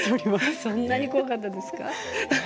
そんなに怖かったですか？